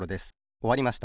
おわりました。